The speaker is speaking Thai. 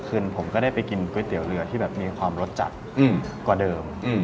ผมก็ได้ไปกินก๋วยเตี๋ยวเรือที่แบบมีความรสจัดกว่าเดิม